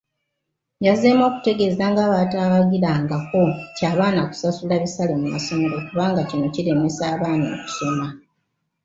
Yazzeemu okutegeeza nga bw'atawagirangako kya baana kusasula bisale mu masomero kubanga kino kiremesa abaana okusoma,